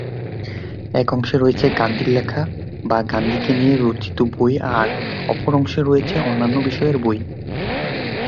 এক অংশে রয়েছে গান্ধীর লেখা বা গান্ধীকে নিয়ে রচিত বই আর অপর অংশে রয়েছে অন্যান্য বিষয়ের বই।